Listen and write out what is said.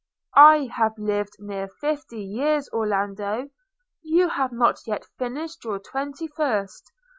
'I have lived near fifty years, Orlando; you have not yet finished your twenty first.